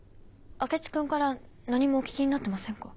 明智君から何もお聞きになってませんか？